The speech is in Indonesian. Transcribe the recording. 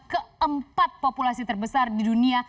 keempat populasi terbesar di dunia